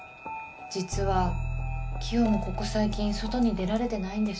実はキヨもここ最近外に出られてないんです。